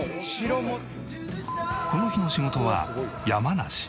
この日の仕事は山梨。